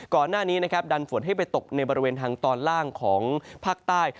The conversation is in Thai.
ก่อนหน้านี้นะครับดันฝนให้ไปตกในบริเวณทางตอนล่างของภาคใต้